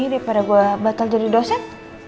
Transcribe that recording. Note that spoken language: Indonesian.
daripada gue bakal jadi dosen